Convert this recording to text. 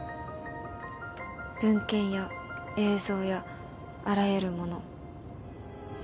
文献や映像やあらゆるもの。